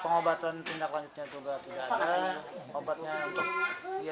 karena obatnya untuk dia